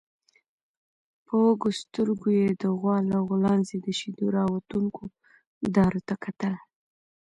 په وږو سترګويې د غوا له غولانځې د شيدو راوتونکو دارو ته کتل.